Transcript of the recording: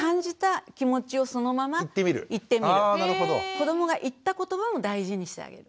子どもが言った言葉も大事にしてあげる。